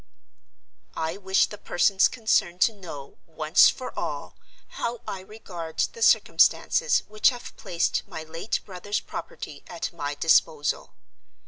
"I wish the persons concerned to know, once for all, how I regard the circumstances which have placed my late brother's property at my disposal.